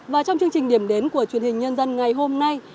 và trong chương trình điểm đến của truyền hình nhân dân ngày hôm nay